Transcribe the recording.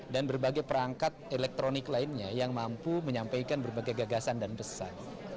dan berbagai perangkat elektronik lainnya yang mampu menyampaikan berbagai gagasan dan pesan